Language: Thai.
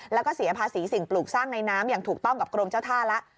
แล้วก็เสียภาษีสิ่งปลูกสร้างในน้ำอย่างถูกต้องกับกรมเจ้าท่าแล้ว